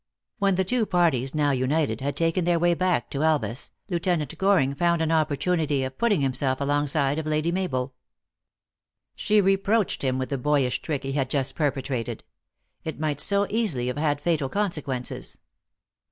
When the two parties, now united, had taken their way back to Elvas, Lieutenant Goring found an opportunity of putting himself alongside of Lady Mabel. She reproached him with the boyish trick he had just perpetrated. It might so easily have had fatal consequences.